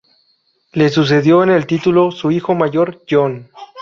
Le sucedió en el título su hijo mayor, John.